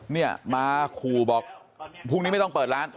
เนี่ยมาขู่บอกพรุ่งนี้ไม่ต้องเปิดร้าน